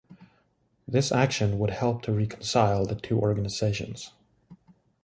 This action would help to reconcile the two organizations.